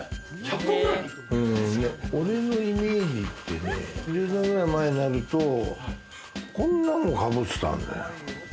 俺のイメージってね、１０年くらい前になると、こんなのかぶってたんだよ。